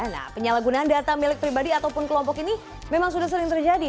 nah penyalahgunaan data milik pribadi ataupun kelompok ini memang sudah sering terjadi